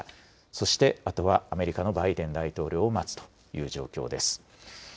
そして、あとはアメリカのバイデン大統領を待つという状況です。